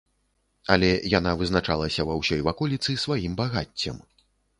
Але яна вызначалася ва ўсёй ваколіцы сваім багаццем.